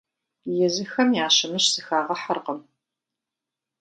Езыхэм ящымыщ зыхагъэхьэркъым.